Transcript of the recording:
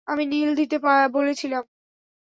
আমি নীল দিতে বলেছিলাম।